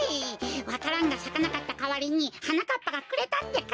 わか蘭がさかなかったかわりにはなかっぱがくれたってか！